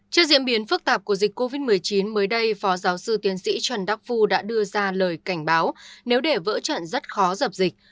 trước diễn biến phức tạp của dịch covid một mươi chín mới đây phó giáo sư tiến sĩ trần đắc phu đã đưa ra lời cảnh báo nếu để vỡ trận rất khó dập dịch